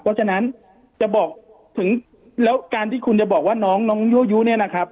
เพราะฉะนั้นจะบอกถึงแล้วการที่คุณจะบอกว่าน้องน้องยั่วยู้เนี่ยนะครับ